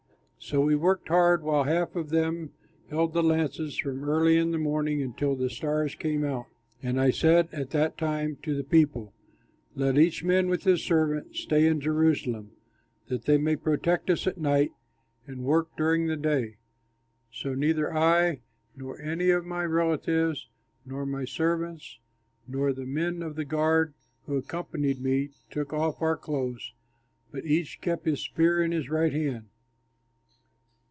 So we worked hard, while half of them held the lances from early in the morning until the stars came out. And I said at that time to the people, "Let each man with his servant stay in Jerusalem, that they may protect us at night and work during the day." So neither I, nor any of my relatives, nor my servants, nor the men of the guard who accompanied me took off our clothes, but each kept his spear in his right hand.